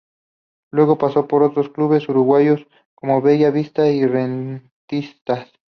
Luego pasó por otros clubes uruguayos como Bella vista y Rentistas.